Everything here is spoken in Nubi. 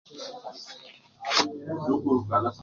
Sauti maa nedifu